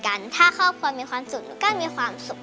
เหมือนกันถ้าครอบครัวมีความสุขเราก็มีความสุข